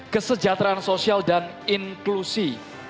kesejahteraan sosial dan inklusi